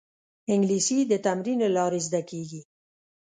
انګلیسي د تمرین له لارې زده کېږي